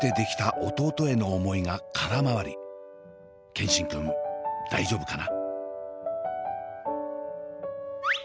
健新くん大丈夫かな？